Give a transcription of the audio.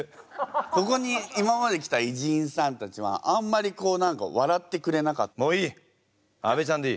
ここに今まで来た偉人さんたちはあんまりこう何か笑ってくれなかった。